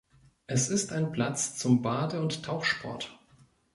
Es ist ein Platz zum Bade- und Tauchsport.